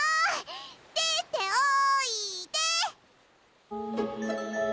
でっておいで！